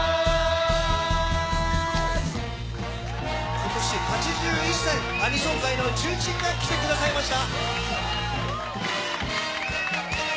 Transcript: ことし８１歳、アニソン界の重鎮が来てくださいました。